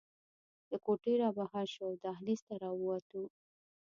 له کوټې رابهر شوو او دهلېز ته راووتو.